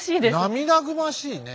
涙ぐましいね。